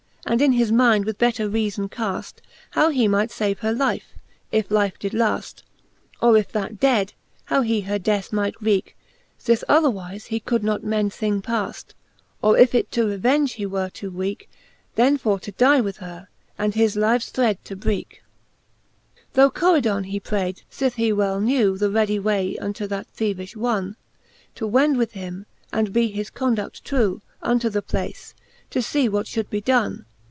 And in his mind with better reafbn caft. How he might fave her life, if life did laft ; Or if that dead, how he her death might wreake, Sith otherwife he could not mend thing paft ; Or if it to revenge he were too weake, Then for to die with her, and his lives threed to breake. XXXV. Tho Coridon he prayd, fith he well knew The readie way unto that theevifli wonne, To wend with him, and be his condud trew Unto the place, to fee what fhould be donne.